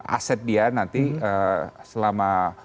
aset dia nanti selama